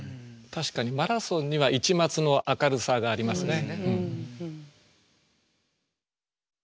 確かに「マラソン」には一抹の明るさがありますね。